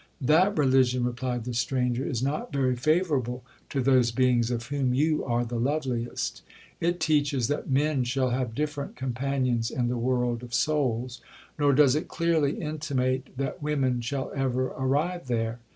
'—'That religion,' replied the stranger, 'is not very favourable to those beings, of whom you are the loveliest; it teaches that men shall have different companions in the world of souls; nor does it clearly intimate that women shall ever arrive there.